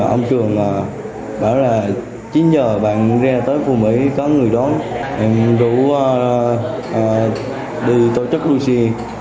ông trường bảo là chín h bạn ra tới phù mỹ có người đó em rủ đi tổ chức đua xe